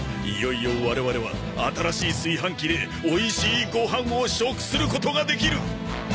いよいよ我々は新しい炊飯器でおいしいご飯を食することができる！